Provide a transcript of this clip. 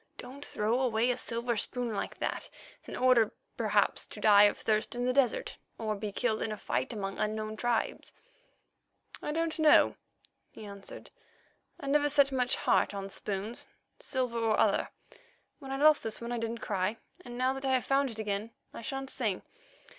Don't throw away a silver spoon like that in order, perhaps, to die of thirst in the desert or be killed in a fight among unknown tribes." "Oh, I don't know," he answered. "I never set heart much on spoons, silver or other. When I lost this one I didn't cry, and now that I have found it again I shan't sing.